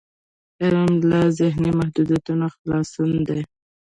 علم له ذهني محدودیتونو خلاصون دی.